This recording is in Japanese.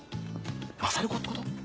マサル語ってこと？